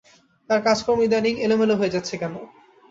তাঁর কাজকর্ম ইদানীং এলোমেলো হয়ে যাচ্ছে কেন?